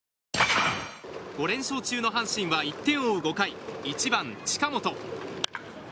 ５連勝中の阪神は１点を追う５回１番、近本。